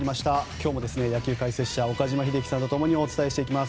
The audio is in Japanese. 今日も野球解説者岡島秀樹さんとともにお伝えしていきます。